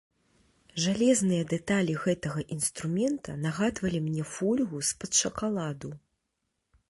Жалезныя дэталі гэтага інструмента нагадвалі мне фольгу з-пад шакаладу.